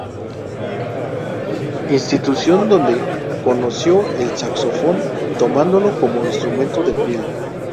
Institución donde conoció el saxofón, tomándolo como instrumento de pila.